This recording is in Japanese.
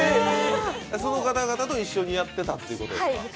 その方々と一緒にやってたってことですか？